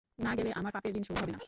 না গেলে আমার পাপের ঋণশোধ হবে না।